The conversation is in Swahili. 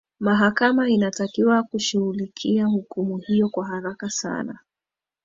mahakama inatakiwa kushughulikia hukumu hiyo kwa haraka sana